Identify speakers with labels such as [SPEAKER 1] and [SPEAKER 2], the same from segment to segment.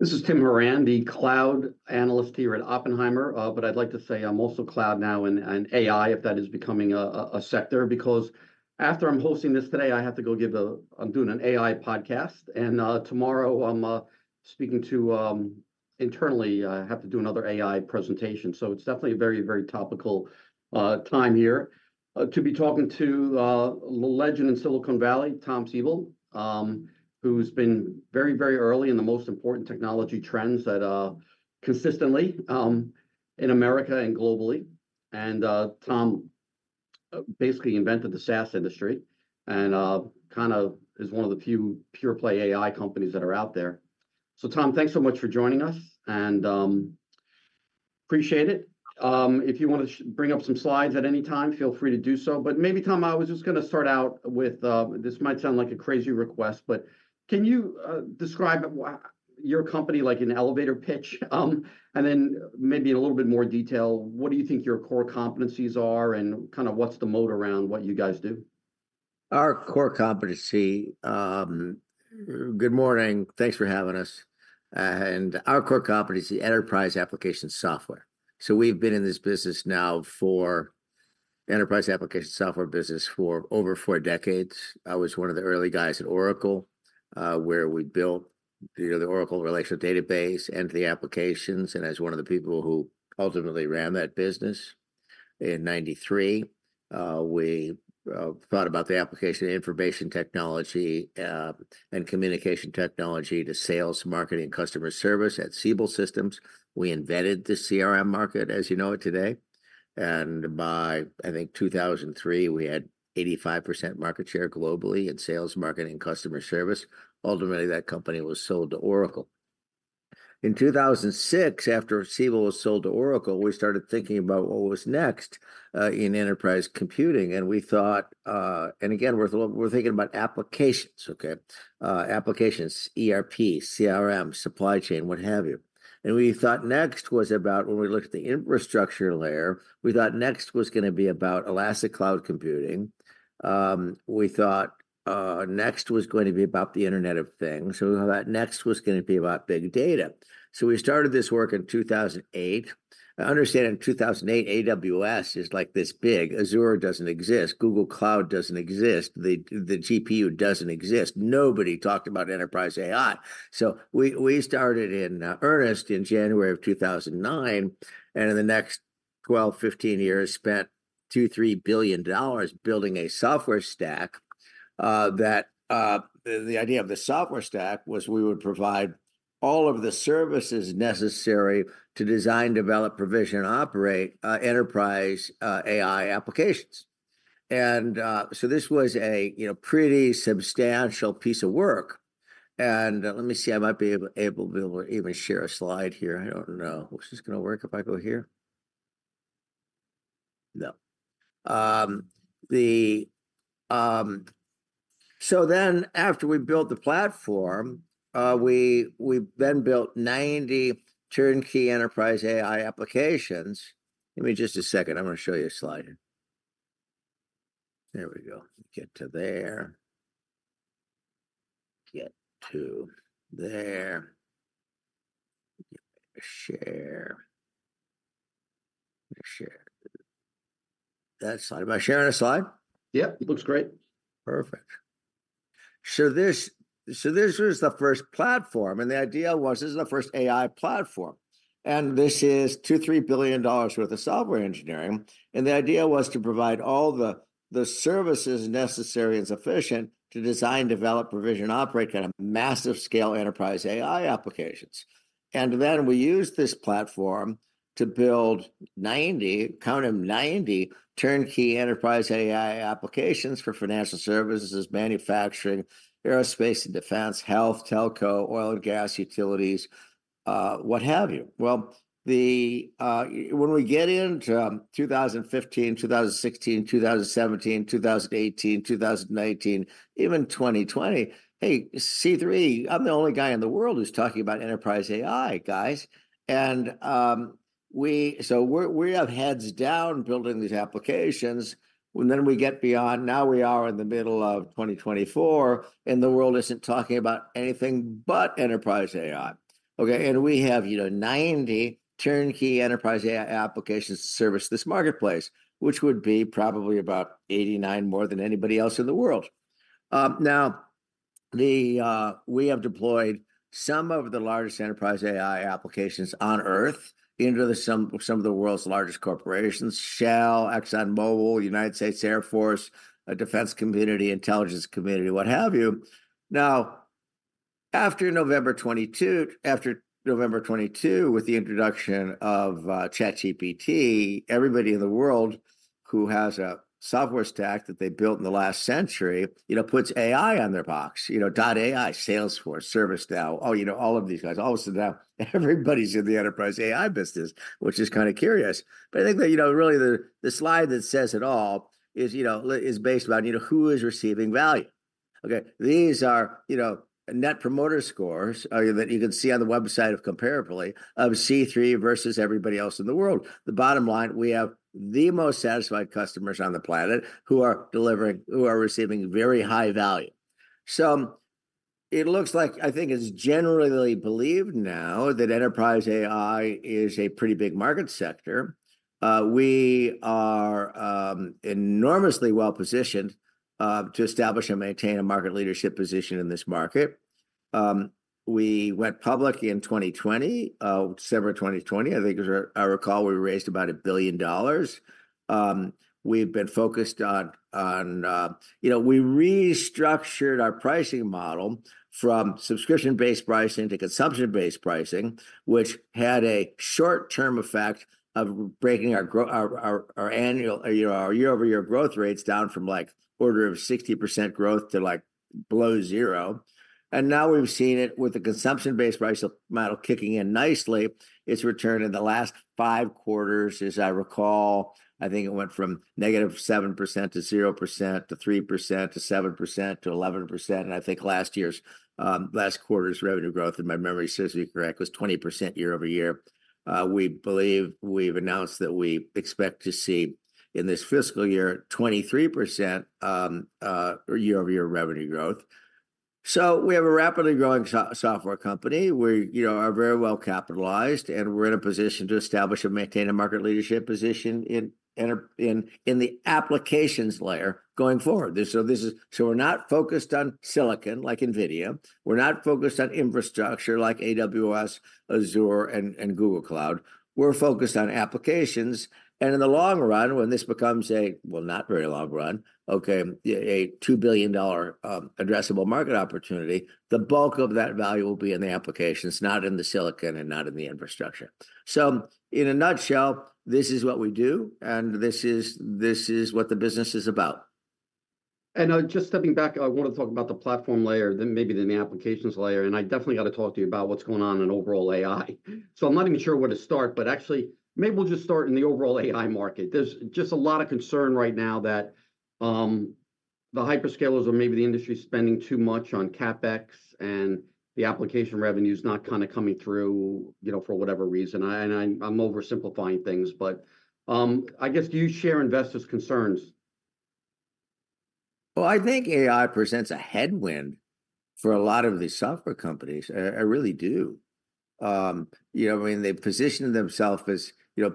[SPEAKER 1] This is Tim Horan, the Cloud Analyst here at Oppenheimer. But I'd like to say I'm also cloud now and AI, if that is becoming a sector, because after I'm hosting this today, I have to go. I'm doing an AI podcast, and tomorrow, I'm speaking internally. I have to do another AI presentation. So it's definitely a very, very topical time here to be talking to a legend in Silicon Valley, Tom Siebel, who's been very, very early in the most important technology trends that consistently in America and globally. And Tom, basically invented the SaaS industry and kind of is one of the few pure play AI companies that are out there. So Tom, thanks so much for joining us, and appreciate it. If you want to bring up some slides at any time, feel free to do so. But maybe, Tom, I was just gonna start out with, this might sound like a crazy request, but can you describe your company, like an elevator pitch? And then maybe in a little bit more detail, what do you think your core competencies are? And kind of what's the moat around what you guys do?
[SPEAKER 2] Our core competency. Good morning. Thanks for having us. and our core competency, enterprise application software. So we've been in this business now for enterprise application software business for over four decades. I was one of the early guys at Oracle, where we built, you know, the Oracle relational database and the applications. And as one of the people who ultimately ran that business in 1993, we thought about the application of information technology, and communication technology to sales, marketing, and customer service. At Siebel Systems, we invented the CRM market as you know it today, and by, I think, 2003, we had 85% market share globally in sales, marketing, and customer service. Ultimately, that company was sold to Oracle. In 2006, after Siebel was sold to Oracle, we started thinking about what was next in enterprise computing, and we thought, and again, we're thinking about applications, okay? Applications, ERP, CRM, supply chain, what have you. And we thought next was about when we looked at the infrastructure layer, we thought next was gonna be about elastic cloud computing. We thought next was going to be about the Internet of Things. We thought next was gonna be about big data. So we started this work in 2008. Understand in 2008, AWS is, like, this big. Azure doesn't exist. Google Cloud doesn't exist. The GPU doesn't exist. Nobody talked about enterprise AI. So we started in earnest in January 2009, and in the next 12-15 years, spent $2 billion-$3 billion building a software stack that the idea of the software stack was we would provide all of the services necessary to design, develop, provision, and operate enterprise AI applications. And so this was, you know, a pretty substantial piece of work. And let me see. I might be able to even share a slide here. I don't know. Is this gonna work if I go here? No. So then after we built the platform, we then built 90 turnkey enterprise AI applications. Give me just a second. I'm gonna show you a slide. There we go. Get to there. Get to there. Get share. Share. That slide. Am I sharing a slide?
[SPEAKER 1] Yep, it looks great.
[SPEAKER 2] Perfect. So this, so this was the first platform, and the idea was this is the first AI platform, and this is $2 billion-3 billion worth of software engineering. And the idea was to provide all the, the services necessary and sufficient to design, develop, provision, operate kind of massive-scale enterprise AI applications. And then we used this platform to build 90, count 'em, 90 turnkey enterprise AI applications for financial services, manufacturing, aerospace and defense, health, telco, oil and gas, utilities, what have you. Well, when we get into 2015, 2016, 2017, 2018, 2019, even 2020, hey, C3, I'm the only guy in the world who's talking about enterprise AI, guys. We're, we have heads down building these applications, and then we get beyond. Now we are in the middle of 2024, and the world isn't talking about anything but enterprise AI. Okay, and we have, you know, 90 turnkey enterprise AI applications to service this marketplace, which would be probably about 89 more than anybody else in the world. Now, we have deployed some of the largest enterprise AI applications on Earth into the, some, some of the world's largest corporations: Shell, ExxonMobil, United States Air Force, Defense community, Intelligence community, what have you. Now, after November 2022, after November 2022, with the introduction of, ChatGPT, everybody in the world who has a software stack that they built in the last century, you know, puts AI on their box. You know, Dot Ai, Salesforce, ServiceNow, oh, you know, all of these guys. All of a sudden, now, everybody's in the enterprise AI business, which is kind of curious. But I think that, you know, really, the, the slide that says it all is, you know, is based around, you know, who is receiving value. Okay, these are, you know, Net Promoter Scores, that you can see on the website of Comparably, of C3 versus everybody else in the world. The bottom line, we have the most satisfied customers on the planet who are delivering, who are receiving very high value. It looks like, I think it's generally believed now that enterprise AI is a pretty big market sector. We are, enormously well-positioned, to establish and maintain a market leadership position in this market. We went public in 2020, December 2020, I think, as I recall, we raised about $1 billion. We've been focused on, you know, we restructured our pricing model from subscription-based pricing to consumption-based pricing, which had a short-term effect of breaking our growth rates down from, like, order of 60% growth to, like, below 0%. And now we've seen it with the consumption-based pricing model kicking in nicely. It's returned in the last five quarters, as I recall, I think it went from -7% to 0%, to 3%, to 7%, to 11%, and I think last year's last quarter's revenue growth, if my memory serves me correct, was 20% year-over-year. We believe we've announced that we expect to see, in this fiscal year, 23%, year-over-year revenue growth. So we have a rapidly growing software company. We, you know, are very well capitalized, and we're in a position to establish and maintain a market leadership position in the enterprise applications layer going forward. So this is... So we're not focused on silicon, like NVIDIA. We're not focused on infrastructure like AWS, Azure, and Google Cloud. We're focused on applications, and in the long run, when this becomes a, well, not very long run, okay, a $2 billion addressable market opportunity, the bulk of that value will be in the applications, not in the silicon and not in the infrastructure. So in a nutshell, this is what we do, and this is, this is what the business is about.
[SPEAKER 1] And, just stepping back, I want to talk about the platform layer, then maybe then the applications layer, and I definitely got to talk to you about what's going on in overall AI. So I'm not even sure where to start, but actually, maybe we'll just start in the overall AI market. There's just a lot of concern right now that, the hyperscalers or maybe the industry is spending too much on CapEx, and the application revenue is not kind of coming through, you know, for whatever reason. And I, I'm oversimplifying things, but, I guess, do you share investors' concerns?
[SPEAKER 2] Well, I think AI presents a headwind for a lot of these software companies. I really do. You know, I mean, they position themselves as, you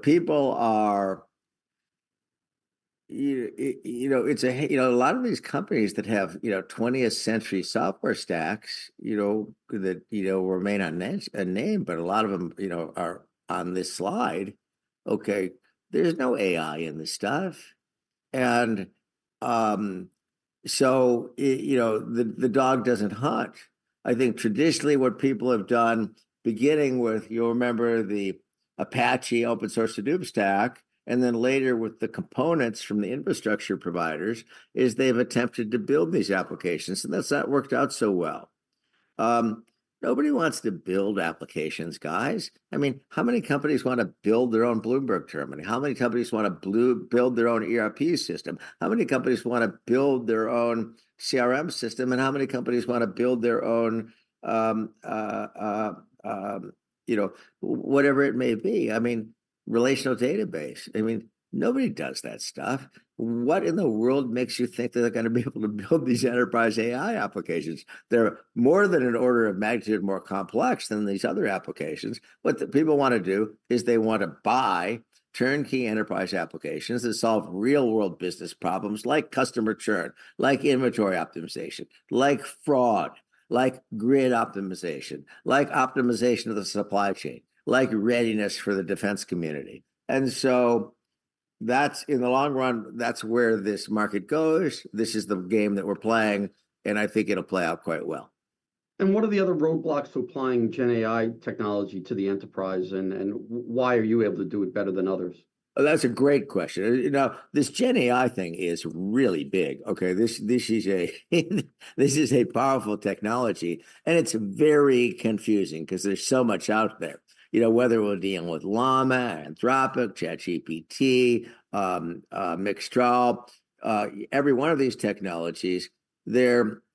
[SPEAKER 2] know, a lot of these companies that have, you know, 20th century software stacks, you know, that remain unnamed, but a lot of them, you know, are on this slide. Okay, there's no AI in this stuff, and so you know, the dog doesn't hunt. I think traditionally what people have done, beginning with, you'll remember the Apache open source Hadoop stack, and then later with the components from the infrastructure providers, is they've attempted to build these applications, and that's not worked out so well. Nobody wants to build applications, guys. I mean, how many companies want to build their own Bloomberg Terminal? How many companies want to build their own ERP system? How many companies want to build their own CRM system, and how many companies want to build their own, you know, whatever it may be, I mean, relational database? I mean, nobody does that stuff. What in the world makes you think that they're going to be able to build these enterprise AI applications? They're more than an order of magnitude more complex than these other applications. What the people want to do is they want to buy turnkey enterprise applications that solve real-world business problems, like customer churn, like inventory optimization, like fraud, like grid optimization, like optimization of the supply chain, like readiness for the defense community. And so that's, in the long run, that's where this market goes. This is the game that we're playing, and I think it'll play out quite well.
[SPEAKER 1] What are the other roadblocks to applying GenAI technology to the enterprise, and why are you able to do it better than others?
[SPEAKER 2] That's a great question. You know, this GenAI thing is really big, okay? This is a powerful technology, and it's very confusing because there's so much out there. You know, whether we're dealing with Llama, Anthropic, ChatGPT, Mixtral, every one of these technologies,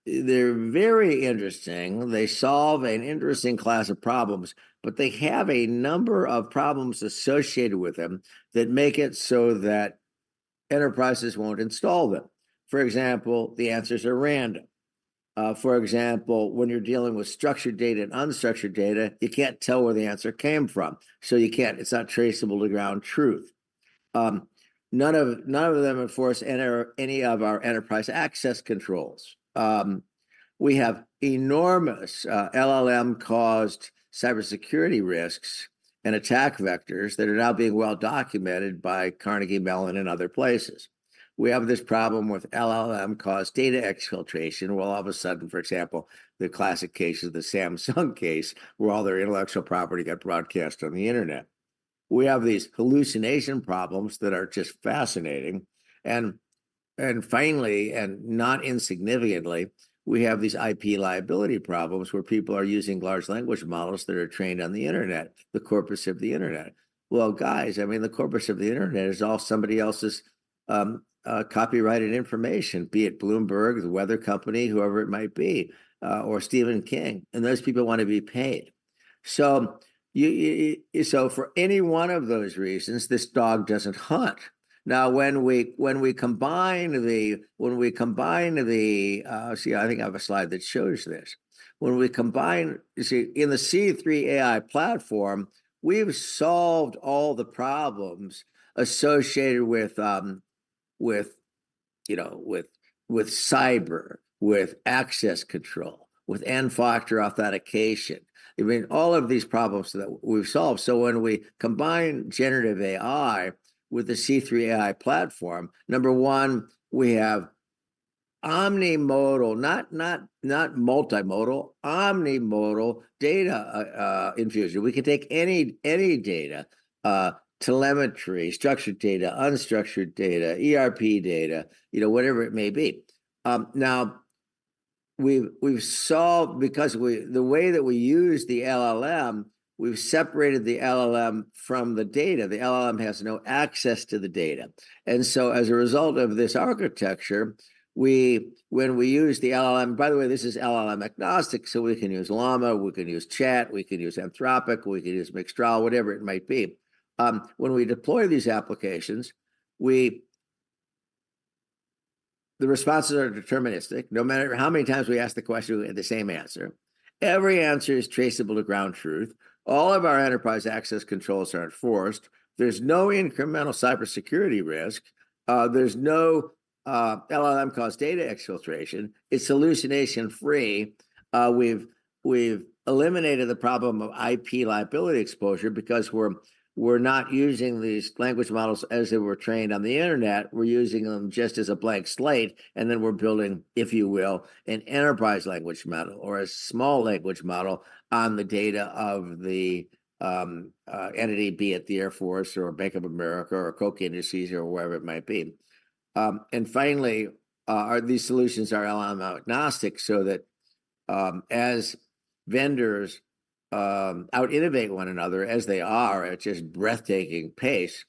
[SPEAKER 2] they're very interesting. They solve an interesting class of problems, but they have a number of problems associated with them that make it so that enterprises won't install them. For example, the answers are random. For example, when you're dealing with structured data and unstructured data, you can't tell where the answer came from, so you can't. It's not traceable to ground truth. None of them, of course, enter any of our enterprise access controls. We have enormous LLM-caused cybersecurity risks and attack vectors that are now being well documented by Carnegie Mellon and other places. We have this problem with LLM-caused data exfiltration, where all of a sudden, for example, the classic case is the Samsung case, where all their intellectual property got broadcast on the internet. We have these hallucination problems that are just fascinating, and finally, and not insignificantly, we have these IP liability problems where people are using large language models that are trained on the internet, the corpus of the internet. Well, guys, I mean, the corpus of the internet is all somebody else's copyrighted information, be it Bloomberg, the Weather Company, whoever it might be, or Stephen King, and those people want to be paid... So, for any one of those reasons, this dog doesn't hunt. Now, when we combine the, see, I think I have a slide that shows this. When we combine. You see, in the C3 AI platform, we've solved all the problems associated with, you know, with cyber, with access control, with N-factor authentication. I mean, all of these problems that we've solved. So when we combine Generative AI with the C3 AI platform, number one, we have omni-modal, not multi-modal, omni-modal data infusion. We can take any data, telemetry, structured data, unstructured data, ERP data, you know, whatever it may be. Now, we've solved because we. The way that we use the LLM, we've separated the LLM from the data. The LLM has no access to the data, and so as a result of this architecture, we, when we use the LLM. By the way, this is LLM-agnostic, so we can use Llama, we can use Chat, we can use Anthropic, we can use Mixtral, whatever it might be. When we deploy these applications, we, the responses are deterministic. No matter how many times we ask the question, we get the same answer. Every answer is traceable to ground truth. All of our enterprise access controls are enforced. There's no incremental cybersecurity risk. There's no LLM-caused data exfiltration. It's hallucination-free. We've eliminated the problem of IP liability exposure because we're not using these language models as they were trained on the internet. We're using them just as a blank slate, and then we're building, if you will, an enterprise language model or a small language model on the data of the entity, be it the Air Force, or Bank of America, or Koch Industries, or whoever it might be. And finally, these solutions are LLM-agnostic, so that, as vendors out-innovate one another, as they are at just breathtaking pace,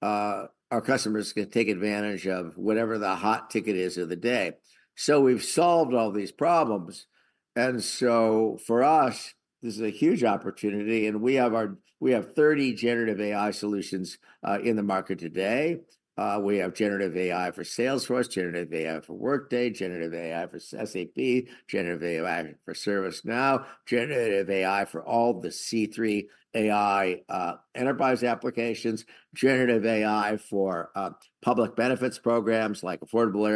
[SPEAKER 2] our customers can take advantage of whatever the hot ticket is of the day. So we've solved all these problems, and so for us, this is a huge opportunity, and we have our... We have 30 Generative AI solutions in the market today. We have Generative AI for Salesforce, Generative AI for Workday, Generative AI for SAP, Generative AI for ServiceNow, Generative AI for all the C3 AI enterprise applications, Generative AI for public benefits programs, like Affordable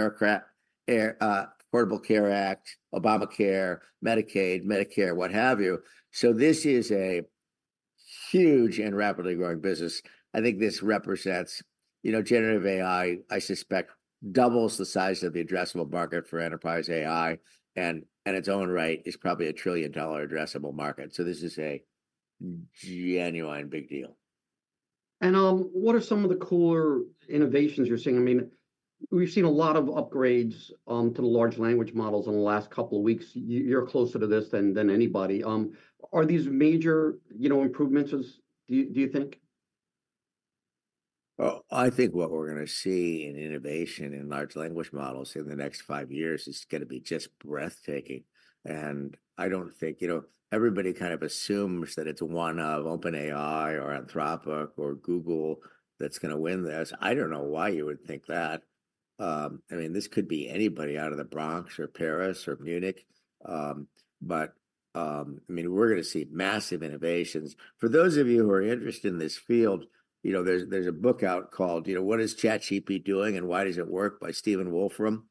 [SPEAKER 2] Care Act, Obamacare, Medicaid, Medicare, what have you. So this is a huge and rapidly growing business. I think this represents, you know, Generative AI, I suspect, doubles the size of the addressable market for enterprise AI, and in its own right, is probably a trillion-dollar addressable market. So this is a genuine big deal.
[SPEAKER 1] What are some of the cooler innovations you're seeing? I mean, we've seen a lot of upgrades to the large language models in the last couple of weeks. You're closer to this than anybody. Are these major, you know, improvements, do you think?
[SPEAKER 2] Well, I think what we're gonna see in innovation in large language models in the next five years is gonna be just breathtaking, and I don't think... You know, everybody kind of assumes that it's one of OpenAI, or Anthropic, or Google that's gonna win this. I don't know why you would think that. I mean, this could be anybody out of the Bronx, or Paris, or Munich. But, I mean, we're gonna see massive innovations. For those of you who are interested in this field, you know, there's a book out called, you know, What Is ChatGPT Doing... and Why Does It Work? by Stephen Wolfram.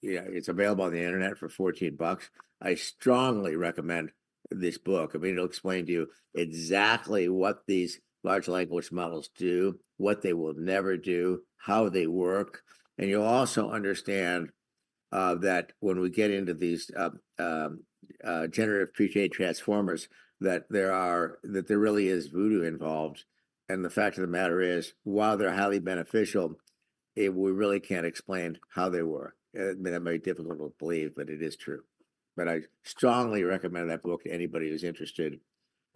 [SPEAKER 2] Yeah, it's available on the internet for $14. I strongly recommend this book. I mean, it'll explain to you exactly what these large language models do, what they will never do, how they work. You'll also understand that when we get into these generative pre-trained transformers, that there really is voodoo involved. And the fact of the matter is, while they're highly beneficial, we really can't explain how they work. That may be difficult to believe, but it is true. But I strongly recommend that book to anybody who's interested,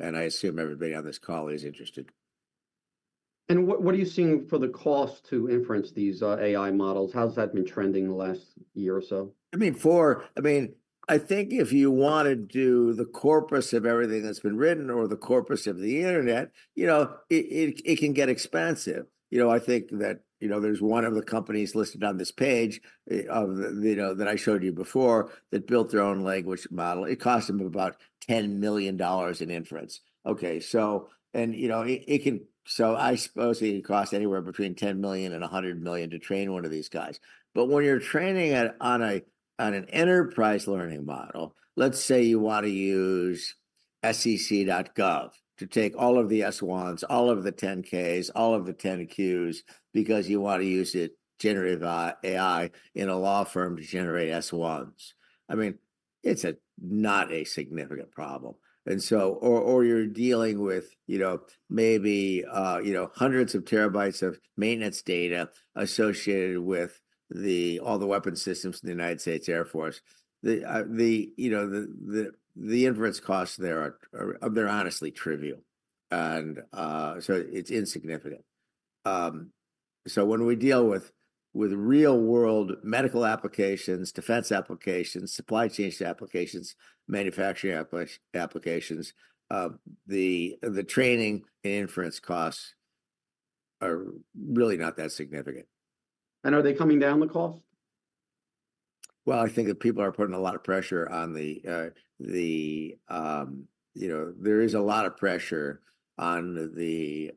[SPEAKER 2] and I assume everybody on this call is interested.
[SPEAKER 1] What are you seeing for the cost to inference these AI models? How's that been trending in the last year or so?
[SPEAKER 2] I mean, I think if you want to do the corpus of everything that's been written or the corpus of the internet, you know, it can get expensive. You know, I think that, you know, there's one of the companies listed on this page, you know, that I showed you before, that built their own language model. It cost them about $10 million in inference. Okay, so, you know, so I suppose it can cost anywhere between $10 million and $100 million to train one of these guys. But when you're training on an enterprise language model, let's say you want to use SEC.gov to take all of the S-1s, all of the 10-Ks, all of the 10-Qs, because you want to use it, Generative AI, in a law firm to generate S-1s. I mean, it's not a significant problem, and so... Or you're dealing with, you know, maybe, you know, hundreds of terabytes of maintenance data associated with all the weapons systems in the United States Air Force. The, you know, the inference costs there are, they're honestly trivial, and so it's insignificant.... So when we deal with real-world medical applications, defense applications, supply chain applications, manufacturing applications, the training and inference costs are really not that significant.
[SPEAKER 1] Are they coming down, the cost?
[SPEAKER 2] Well, I think that people are putting a lot of pressure on the, you know, there is a lot of pressure on the,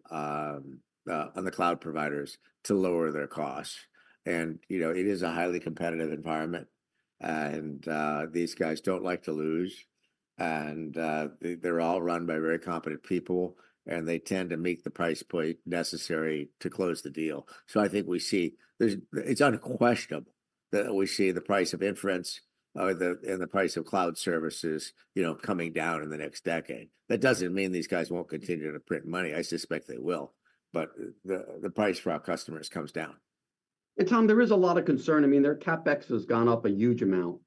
[SPEAKER 2] on the cloud providers to lower their costs. And, you know, it is a highly competitive environment, and, these guys don't like to lose. And, they're all run by very competent people, and they tend to meet the price point necessary to close the deal. So I think we see. There's, it's unquestionable that we see the price of inference, and the price of cloud services, you know, coming down in the next decade. That doesn't mean these guys won't continue to print money. I suspect they will, but the price for our customers comes down.
[SPEAKER 1] And Tom, there is a lot of concern. I mean, their CapEx has gone up a huge amount.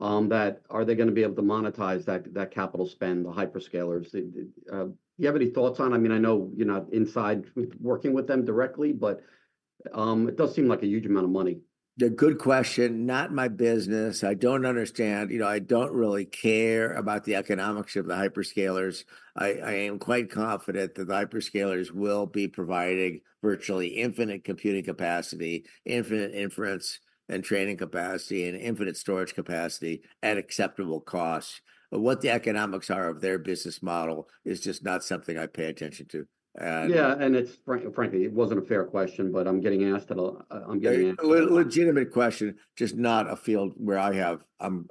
[SPEAKER 1] Are they gonna be able to monetize that capital spend, the hyperscalers? Do you have any thoughts on it? I mean, I know you're not inside with working with them directly, but, it does seem like a huge amount of money.
[SPEAKER 2] Yeah, good question. Not my business. I don't understand. You know, I don't really care about the economics of the hyperscalers. I, I am quite confident that the hyperscalers will be providing virtually infinite computing capacity, infinite inference and training capacity, and infinite storage capacity at acceptable costs. But what the economics are of their business model is just not something I pay attention to. And-
[SPEAKER 1] Yeah, and it's, frankly, it wasn't a fair question, but I'm getting asked, and I'll, I'm getting-
[SPEAKER 2] A legitimate question, just not a field where I have, I'm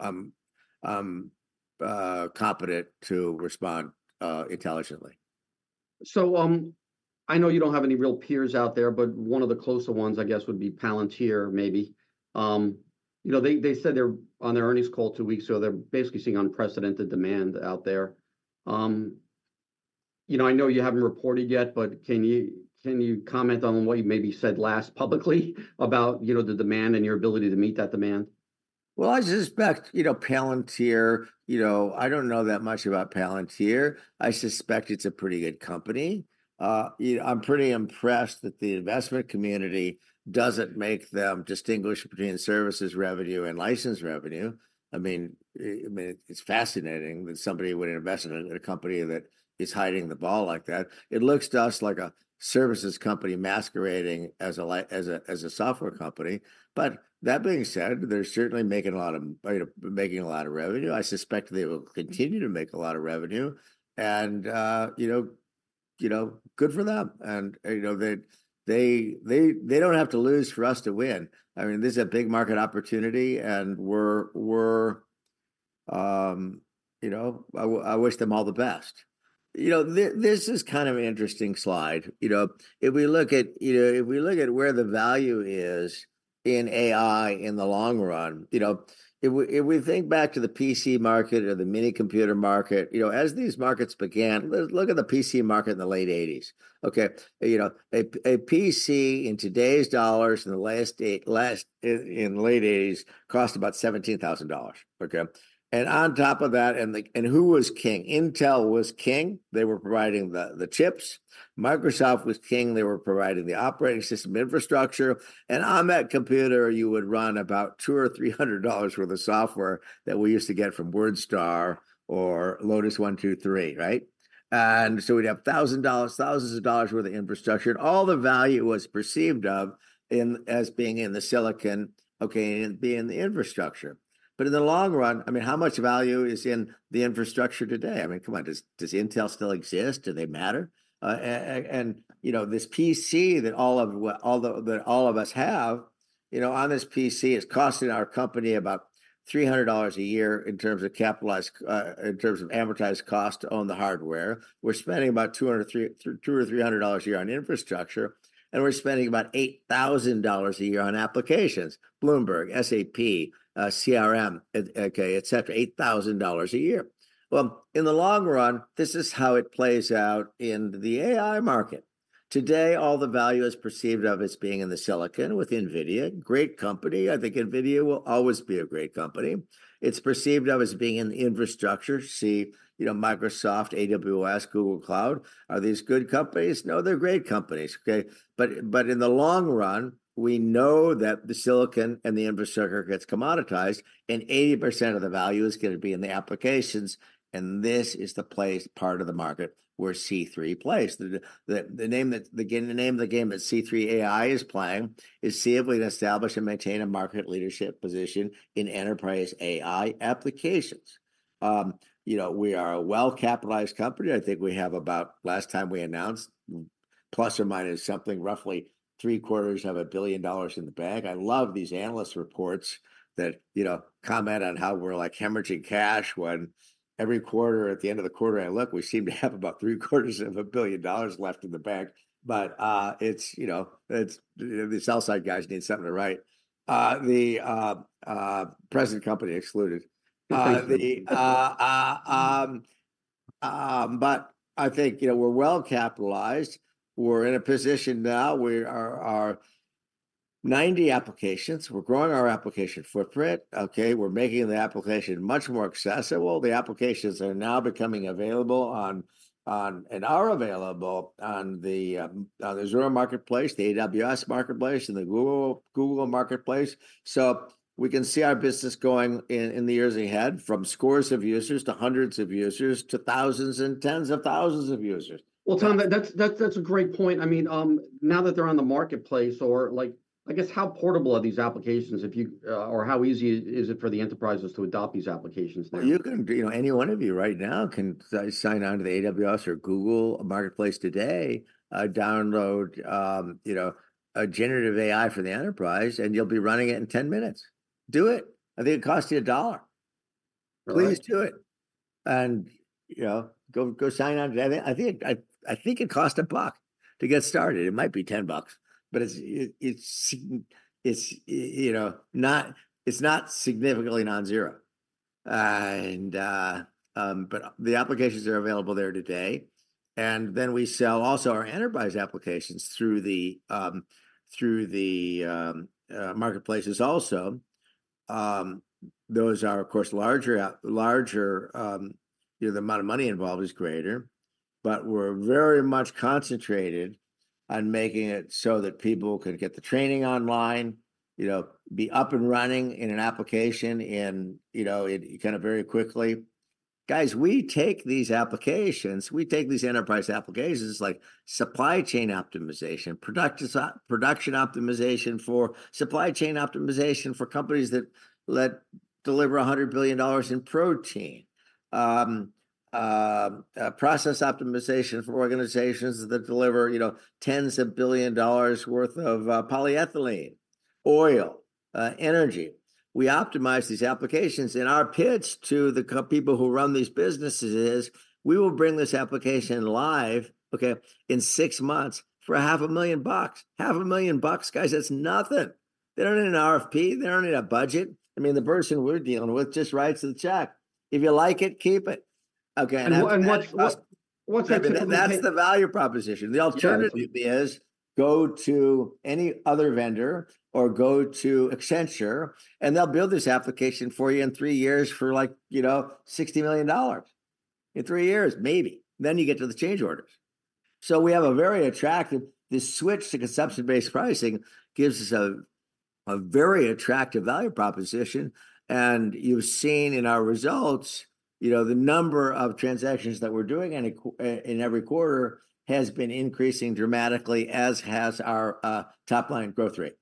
[SPEAKER 2] competent to respond intelligently.
[SPEAKER 1] So, I know you don't have any real peers out there, but one of the closer ones, I guess, would be Palantir, maybe. You know, they said they're on their earnings call two weeks ago, they're basically seeing unprecedented demand out there. You know, I know you haven't reported yet, but can you comment on what you maybe said last publicly about, you know, the demand and your ability to meet that demand?
[SPEAKER 2] Well, I suspect, you know, Palantir, you know. I don't know that much about Palantir. I suspect it's a pretty good company. You know, I'm pretty impressed that the investment community doesn't make them distinguish between services revenue and license revenue. I mean, it's fascinating that somebody would invest in a company that is hiding the ball like that. It looks to us like a services company masquerading as a software company. But that being said, they're certainly making a lot of revenue. I suspect they will continue to make a lot of revenue, and you know, good for them. And you know, they don't have to lose for us to win. I mean, this is a big market opportunity, and we're. You know, I wish them all the best. You know, this is kind of an interesting slide. You know, if we look at, you know, if we look at where the value is in AI in the long run, you know, if we think back to the PC market or the mini computer market, you know, as these markets began. Let's look at the PC market in the late 1980s, okay? You know, a PC in today's dollars in the late 1980s cost about $17,000, okay? And on top of that, who was king? Intel was king. They were providing the chips. Microsoft was king. They were providing the operating system infrastructure. And on that computer, you would run about $200-$300 worth of software that we used to get from WordStar or Lotus 1-2-3, right? And so we'd have $1,000, thousands of dollars worth of infrastructure, and all the value was perceived of in, as being in the silicon, okay, and be in the infrastructure. But in the long run, I mean, how much value is in the infrastructure today? I mean, come on, does Intel still exist? Do they matter? And, you know, this PC that all the, that all of us have, you know, on this PC, it's costing our company about $300 a year in terms of capitalized, in terms of amortized cost to own the hardware. We're spending about $200-$300 a year on infrastructure, and we're spending about $8,000 a year on applications: Bloomberg, SAP, CRM, okay, et cetera, $8,000 a year. Well, in the long run, this is how it plays out in the AI market. Today, all the value is perceived of as being in the silicon with NVIDIA. Great company. I think NVIDIA will always be a great company. It's perceived of as being in the infrastructure. See, you know, Microsoft, AWS, Google Cloud. Are these good companies? No, they're great companies, okay? But in the long run, we know that the silicon and the infrastructure gets commoditized, and 80% of the value is gonna be in the applications, and this is the place, part of the market where C3 plays. The name of the game that C3 AI is playing is simply to establish and maintain a market leadership position in enterprise AI applications. You know, we are a well-capitalized company. I think we have about, last time we announced, plus or minus something, roughly $750 million in the bank. I love these analyst reports that, you know, comment on how we're, like, hemorrhaging cash, when every quarter, at the end of the quarter, I look, we seem to have about $750 million left in the bank. But, you know, these sell-side guys need something to write. Present company excluded. But I think, you know, we're well-capitalized. We're in a position now where our 90 applications. We're growing our application footprint, okay? We're making the application much more accessible. The applications are now becoming available on, and are available on the Azure marketplace, the AWS marketplace, and the Google marketplace. So we can see our business going in the years ahead from scores of users, to hundreds of users, to thousands and tens of thousands of users.
[SPEAKER 1] Well, Tom, that's a great point. I mean, now that they're on the marketplace or, like, I guess, how portable are these applications or how easy is it for the enterprises to adopt these applications now?
[SPEAKER 2] Well, you can, you know, any one of you right now can sign on to the AWS or Google marketplace today, download, you know, a Generative AI for the enterprise, and you'll be running it in 10 minutes. Do it. I think it costs you $1.
[SPEAKER 1] Right.
[SPEAKER 2] Please do it, and you know, go sign on to that. I think it cost $1 to get started. It might be $10, but it's you know not... It's not significantly non-zero. But the applications are available there today, and then we sell also our enterprise applications through the marketplaces also. Those are, of course, larger app, larger you know, the amount of money involved is greater, but we're very much concentrated on making it so that people can get the training online, you know, be up and running in an application in you know it kind of very quickly. Guys, we take these applications, we take these enterprise applications, like supply chain optimization, production optimization for supply chain optimization for companies that deliver $100 billion in protein, process optimization for organizations that deliver, you know, tens of billions of dollars' worth of polyethylene, oil, energy. We optimize these applications, and our pitch to the people who run these businesses is, we will bring this application live, okay, in six months for $500,000. $500,000, guys, that's nothing. They don't need an RFP, they don't need a budget. I mean, the person we're dealing with just writes the check. If you like it, keep it. Okay, and, and-
[SPEAKER 1] What, what's happening?
[SPEAKER 2] That's the value proposition. The alternative is, go to any other vendor or go to Accenture, and they'll build this application for you in three years for like, you know, $60 million. In three years, maybe, then you get to the change orders. So we have a very attractive... This switch to consumption-based pricing gives us a very attractive value proposition, and you've seen in our results, you know, the number of transactions that we're doing in every quarter has been increasing dramatically, as has our top-line growth rate.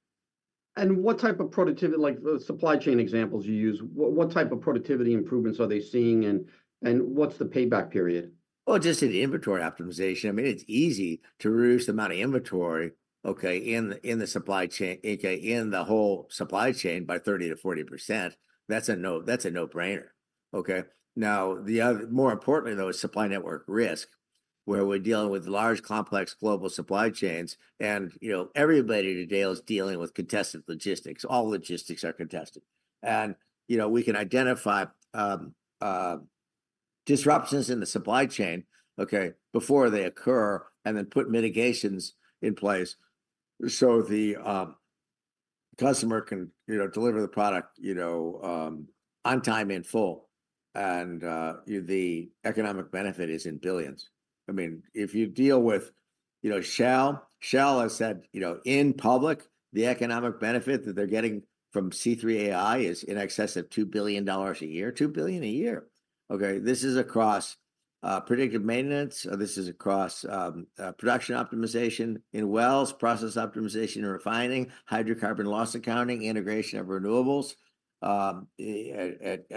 [SPEAKER 1] What type of productivity, like the supply chain examples you use, what, what type of productivity improvements are they seeing, and, and what's the payback period?
[SPEAKER 2] Well, just in the inventory optimization, I mean, it's easy to reduce the amount of inventory, okay, in the supply chain, aka in the whole supply chain by 30%-40%. That's a no, that's a no-brainer, okay? Now, the other, more importantly, though, is supply network risk, where we're dealing with large, complex global supply chains. And, you know, everybody today is dealing with contested logistics. All logistics are contested. And, you know, we can identify disruptions in the supply chain, okay, before they occur, and then put mitigations in place so the customer can, you know, deliver the product, you know, on time, in full, and the economic benefit is in $ billions. I mean, if you deal with, you know, Shell. Shell has said, you know, in public, the economic benefit that they're getting from C3 AI is in excess of $2 billion a year. $2 billion a year, okay? This is across predictive maintenance, this is across production optimization in wells, process optimization and refining, hydrocarbon loss accounting, integration of renewables at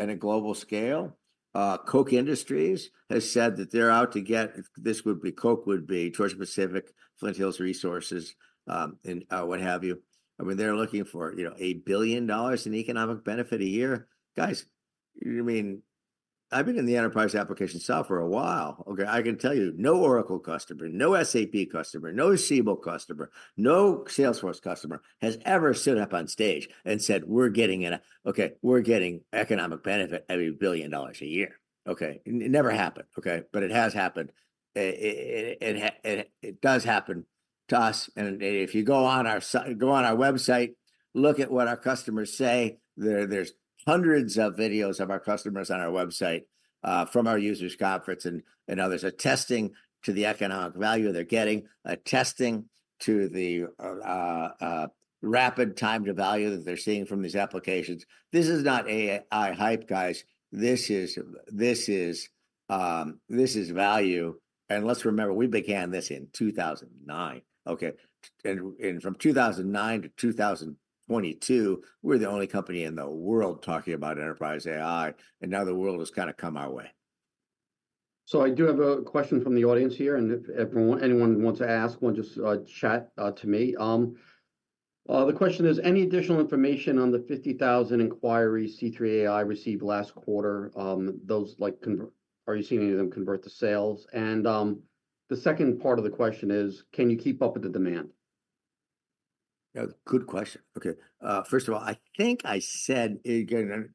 [SPEAKER 2] a global scale. Koch Industries has said that they're out to get—this would be, Koch would be Georgia-Pacific, Flint Hills Resources, and what have you. I mean, they're looking for, you know, $1 billion in economic benefit a year. Guys, you mean—I've been in the enterprise application software a while, okay? I can tell you, no Oracle customer, no SAP customer, no Siebel customer, no Salesforce customer has ever stood up on stage and said, "We're getting an... Okay, we're getting economic benefit, $1 billion a year." Okay, it never happened, okay, but it has happened. It does happen to us, and if you go on our site, go on our website, look at what our customers say. There's hundreds of videos of our customers on our website, from our users conference and others, attesting to the economic value they're getting, attesting to the rapid time to value that they're seeing from these applications. This is not AI hype, guys. This is value, and let's remember, we began this in 2009, okay? From 2009 to 2022, we're the only company in the world talking about enterprise AI, and now the world has kind of come our way.
[SPEAKER 1] So I do have a question from the audience here, and if anyone wants to ask one, just chat to me. The question is: Any additional information on the 50,000 inquiries C3 AI received last quarter? Those, like, are you seeing any of them convert to sales? And, the second part of the question is: Can you keep up with the demand?
[SPEAKER 2] Yeah, good question. Okay, first of all, I think I said, again,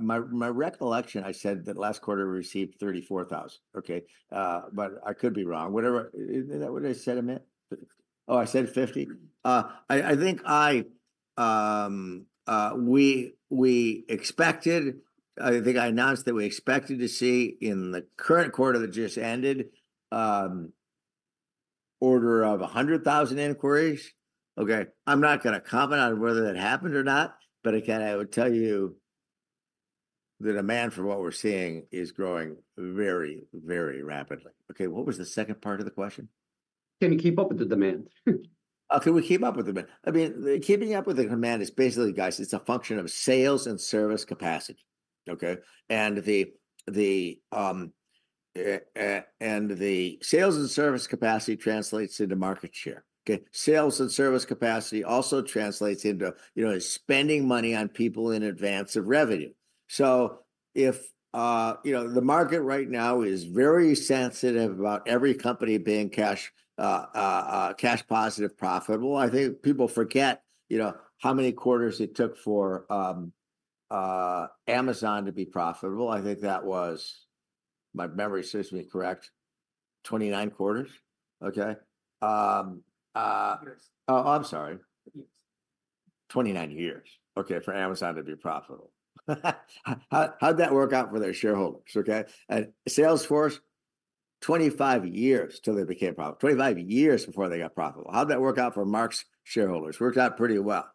[SPEAKER 2] my recollection, I said that last quarter we received 34,000, okay? But I could be wrong. Whatever, what did I say, Amit? Oh, I said 50? I think we expected, I think I announced that we expected to see in the current quarter that just ended, order of 100,000 inquiries. Okay, I'm not gonna comment on whether that happened or not, but again, I would tell you the demand for what we're seeing is growing very, very rapidly. Okay, what was the second part of the question?
[SPEAKER 1] Can you keep up with the demand?
[SPEAKER 2] Can we keep up with the demand? I mean, keeping up with the demand is basically, guys, it's a function of sales and service capacity, okay? And the sales and service capacity translates into market share, okay. Sales and service capacity also translates into, you know, spending money on people in advance of revenue. So if, you know, the market right now is very sensitive about every company being cash, cash positive profitable, I think people forget, you know, how many quarters it took for Amazon to be profitable. I think that was, if my memory serves me correct, 29 quarters, okay?
[SPEAKER 3] Years.
[SPEAKER 2] Oh, I'm sorry.
[SPEAKER 3] Years.
[SPEAKER 2] 29 years, okay, for Amazon to be profitable. How, how'd that work out for their shareholders, okay? And Salesforce, 25 years till they became profitable. 25 years before they got profitable. How'd that work out for Mark's shareholders? Worked out pretty well.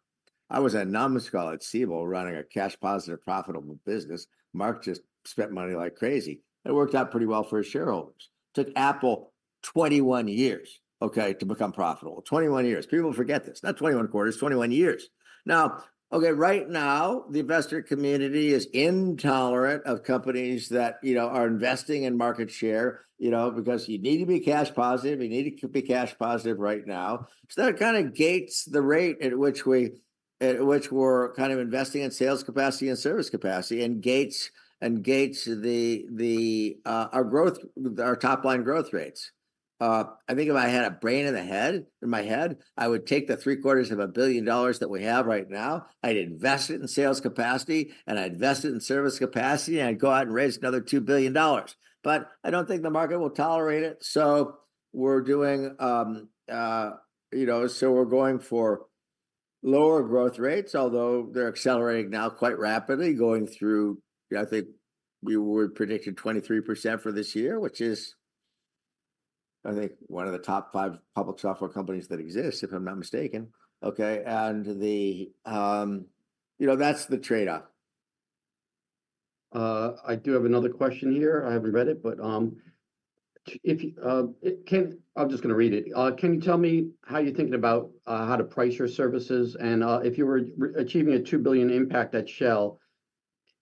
[SPEAKER 2] I was a nominal shareholder at Siebel, running a cash-positive, profitable business. Mark just spent money like crazy. It worked out pretty well for his shareholders. Took Apple 21 years, okay, to become profitable. 21 years. People forget this. Not 21 quarters, 21 years. Now, okay, right now, the investor community is intolerant of companies that, you know, are investing in market share, you know, because you need to be cash positive, you need to be cash positive right now. So that kind of gates the rate at which we- which we're kind of investing in sales capacity and service capacity, and gates and gates the, the, our growth, our top-line growth rates. I think if I had a brain in the head, in my head, I would take the $750 million that we have right now, I'd invest it in sales capacity, and I'd invest it in service capacity, and I'd go out and raise another $2 billion. But I don't think the market will tolerate it, so we're doing, you know, so we're going for lower growth rates, although they're accelerating now quite rapidly, going through... I think we were predicting 23% for this year, which is, I think, one of the top five public software companies that exists, if I'm not mistaken, okay? The, you know, that's the trade-off.
[SPEAKER 1] I do have another question here. I haven't read it, but I'm just gonna read it. Can you tell me how you're thinking about how to price your services? And if you were achieving a $2 billion impact at Shell,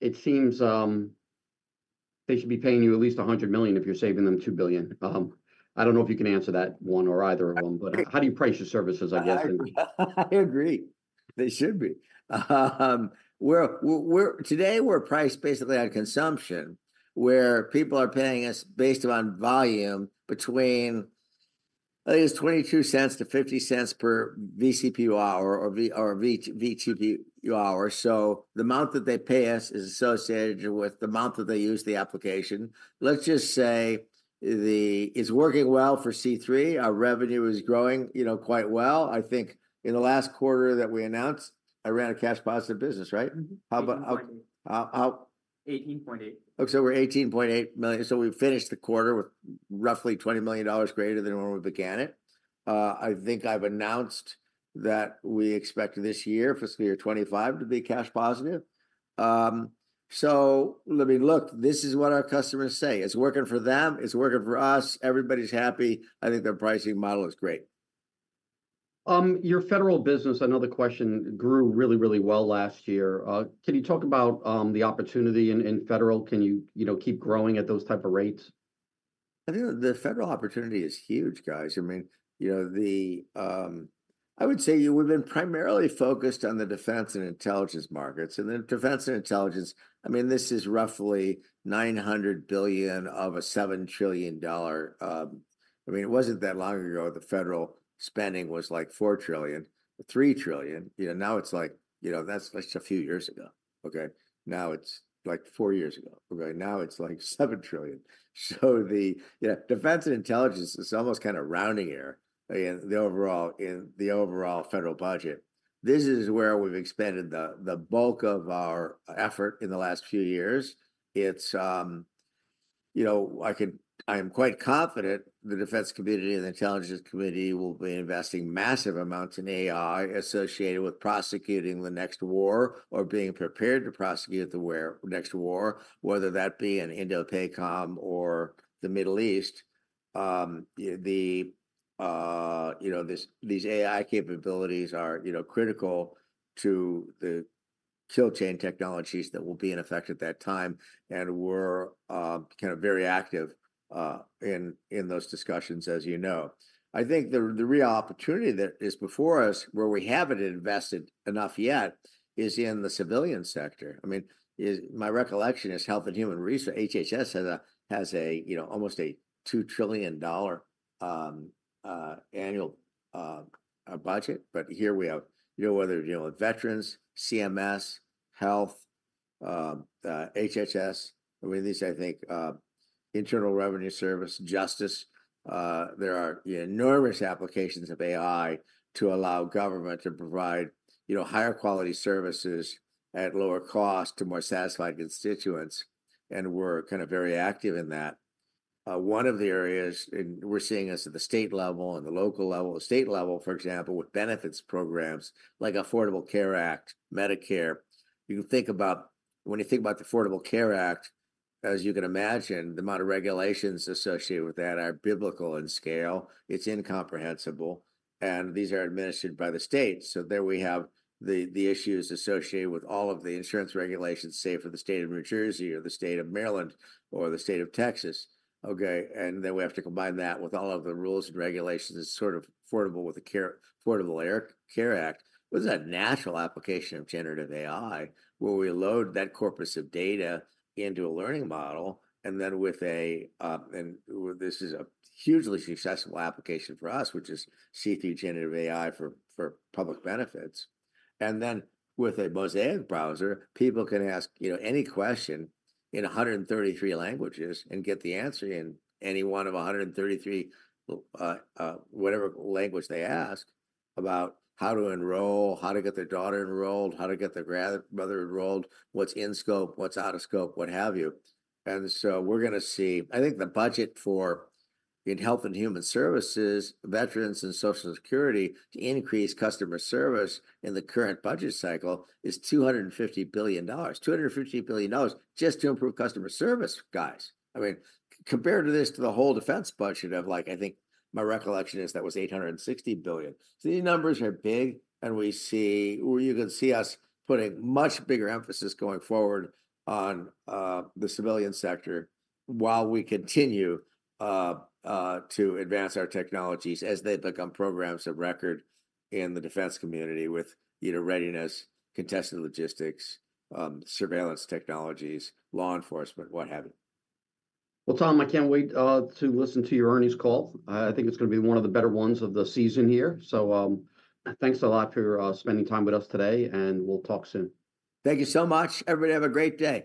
[SPEAKER 1] it seems they should be paying you at least $100 million if you're saving them $2 billion. I don't know if you can answer that one or either of them, but how do you price your services, I guess?
[SPEAKER 2] I agree. They should be. Today, we're priced basically on consumption, where people are paying us based on volume between, I think it's $0.22-$0.50 per vCPU hour or vGPU hour. So the amount that they pay us is associated with the amount that they use the application. Let's just say it's working well for C3. Our revenue is growing, you know, quite well. I think in the last quarter that we announced, I ran a cash-positive business, right?
[SPEAKER 3] Mm-hmm, $18.8 million.
[SPEAKER 2] How about out, out-
[SPEAKER 3] $18.8 million.
[SPEAKER 2] Okay, so we're $18.8 million. So we finished the quarter with roughly $20 million greater than when we began it. I think I've announced that we expect this year, fiscal year 2025, to be cash positive. So, I mean, look, this is what our customers say. It's working for them, it's working for us, everybody's happy. I think their pricing model is great.
[SPEAKER 1] Your federal business, another question, grew really, really well last year. Can you talk about the opportunity in federal? Can you, you know, keep growing at those type of rates?
[SPEAKER 2] I think the federal opportunity is huge, guys. I mean, you know, the I would say we've been primarily focused on the defense and intelligence markets. And the defense and intelligence, I mean, this is roughly $900 billion of a $7 trillion dollar, I mean, it wasn't that long ago the federal spending was, like, $4 trillion, $3 trillion. You know, now it's like you know, that's just a few years ago, okay? Now it's, like, four years ago. Okay, now it's, like, $7 trillion. So the, you know, defense and intelligence is almost kind of rounding error in the overall, in the overall federal budget. This is where we've expanded the bulk of our effort in the last few years. It's, you know, I could- I am quite confident the defense community and the intelligence community will be investing massive amounts in AI associated with prosecuting the next war or being prepared to prosecute the war- next war, whether that be in INDOPACOM or the Middle East. The, you know, this- these AI capabilities are, you know, critical to the kill chain technologies that will be in effect at that time, and we're kind of very active in those discussions, as you know. I think the real opportunity that is before us, where we haven't invested enough yet, is in the civilian sector. I mean, my recollection is, Health and Human Services, HHS, has a, you know, almost a $2 trillion annual budget. But here we have, you know, whether, you know, veterans, CMS, health-... HHS, at least I think, Internal Revenue Service, Justice, there are enormous applications of AI to allow government to provide, you know, higher quality services at lower cost to more satisfied constituents, and we're kind of very active in that. One of the areas, and we're seeing this at the state level and the local level, the state level, for example, with benefits programs like Affordable Care Act, Medicare, you can think about, when you think about the Affordable Care Act, as you can imagine, the amount of regulations associated with that are biblical in scale. It's incomprehensible, and these are administered by the states. So there we have the, the issues associated with all of the insurance regulations, say, for the state of New Jersey or the state of Maryland or the state of Texas. Okay, and then we have to combine that with all of the rules and regulations that's sort of the Affordable Care Act. What is that national application of Generative AI, where we load that corpus of data into a learning model, and then this is a hugely successful application for us, which is C3 Generative AI for public benefits. And then with a Mosaic browser, people can ask, you know, any question in 133 languages and get the answer in any one of 133 whatever language they ask, about how to enroll, how to get their daughter enrolled, how to get their grandmother enrolled, what's in scope, what's out of scope, what have you. And so we're gonna see. I think the budget for, in Health and Human Services, Veterans and Social Security to increase customer service in the current budget cycle is $250 billion. $250 billion just to improve customer service, guys. I mean, compared to this, to the whole defense budget of, like, I think my recollection is that was $860 billion. So these numbers are big, and we see... Well, you can see us putting much bigger emphasis going forward on the civilian sector, while we continue to advance our technologies as they become programs of record in the defense community with, you know, readiness, contested logistics, surveillance technologies, law enforcement, what have you.
[SPEAKER 1] Well, Tom, I can't wait to listen to your earnings call. I think it's gonna be one of the better ones of the season here. Thanks a lot for spending time with us today, and we'll talk soon.
[SPEAKER 2] Thank you so much. Everybody, have a great day!